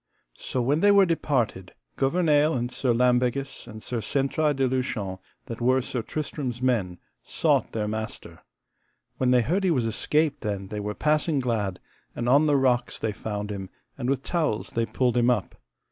So when they were departed, Gouvernail, and Sir Lambegus, and Sir Sentraille de Lushon, that were Sir Tristram's men, sought their master. When they heard he was escaped then they were passing glad; and on the rocks they found him, and with towels they pulled him up.